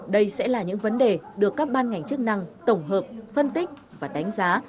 đây sẽ là những vấn đề được các ban ngành chức năng tổng hợp phân tích và đánh giá